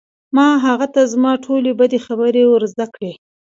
ما هغه ته زما ټولې بدې خبرې ور زده کړې